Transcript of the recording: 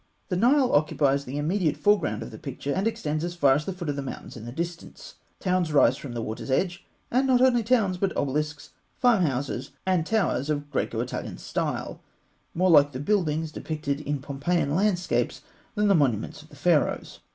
The Nile occupies the immediate foreground of the picture, and extends as far as the foot of the mountains in the distance. Towns rise from the water's edge; and not only towns, but obelisks, farm houses, and towers of Graeco Italian style, more like the buildings depicted in Pompeian landscapes than the monuments of the Pharaohs.